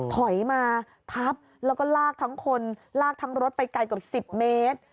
ถอยมาทับแล้วก็ลากทั้งคนลากทั้งรถไปไกลเกือบ๑๐เมตร